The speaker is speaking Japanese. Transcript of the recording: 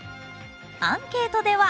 アンケートでは